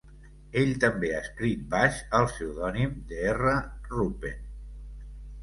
Ell també ha escrit baix el pseudònim d'R. Rupen.